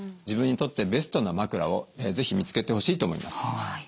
自分にとってベストな枕をぜひ見つけてほしいと思います。